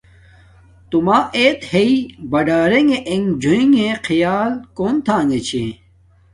توما ایت ہیے باڈاریݣ انݣ جوینݣ خیال کون تحنݣے چھے۔